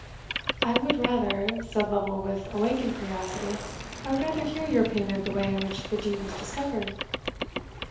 "I would rather," said Lovel with awakened curiosity, "I would rather hear your opinion of the way in which the deed was discovered."